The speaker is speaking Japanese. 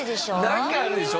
何かあるでしょ？